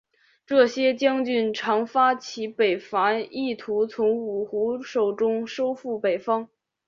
这些将军常发起北伐意图从五胡手中收复北方。